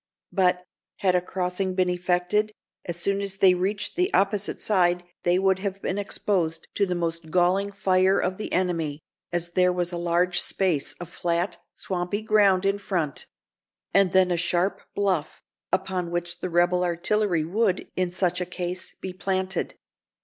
But, had a crossing been effected, as soon as they reached the opposite side they would have been exposed to the most galling fire of the enemy, as there was a large space of flat, swampy ground in front; and then a sharp bluff, upon which the rebel artillery would, in such a case, be planted.